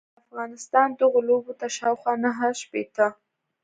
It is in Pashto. افغانستان دغو لوبو ته شاوخوا نهه شپیته ل